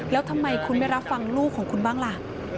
แล้วทำไมคุณไม่รับฟังลูกของคุณบ้างล่ะ